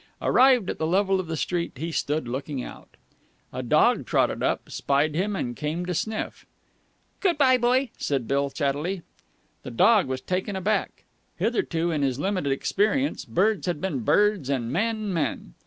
Arrived at the level of the street, he stood looking out. A dog trotted up, spied him, and came to sniff. "Good bye, boy!" said Bill chattily. The dog was taken aback. Hitherto, in his limited experience, birds had been birds and men men.